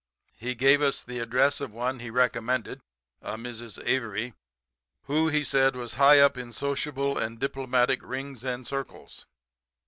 He gave us the address of one he recommended, a Mrs. Avery, who he said was high up in sociable and diplomatic rings and circles.